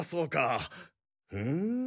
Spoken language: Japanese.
ふん。